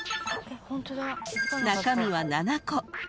［中身は７個］